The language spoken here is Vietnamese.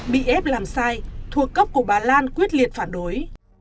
bị ép làm sai thuộc cấp của bà lan quyết liệt phản đối